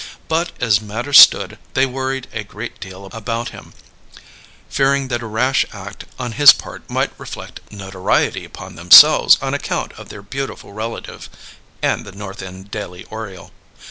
But as matters stood they worried a great deal about him, fearing that a rash act on his part might reflect notoriety upon themselves on account of their beautiful relative and The North End Daily Oriole.